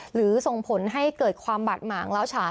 หรือส่งผลให้เกิดความบาดหมางล้าฉา